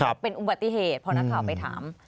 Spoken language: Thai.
เป็นอุบัติเหตุพอนักข่าวไปถาม